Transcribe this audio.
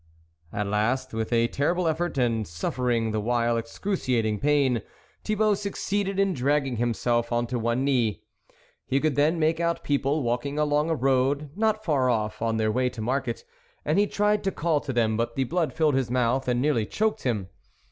At last, with a terrible effort, and suffer ing the while excruciating pain, Thibault succeeded in dragging himself on to one knee. He could then make out people walking along a road not far off on their way to market, and he tried to call to them, but the blood filled his mouth and nearly choked him.